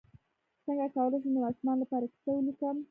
څنګه کولی شم د ماشومانو لپاره کیسه ولیکم